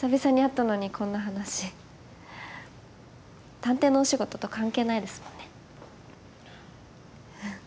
探偵のお仕事と関係ないですもんね。